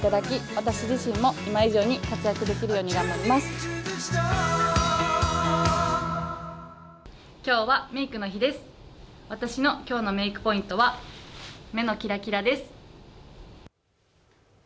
私の今日のメークポイントは目のキラキラです。